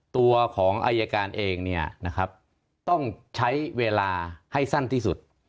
ตัวของอายการเองต้องใช้เวลาให้สั้นที่สุด